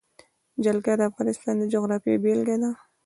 جلګه د افغانستان د جغرافیې بېلګه ده.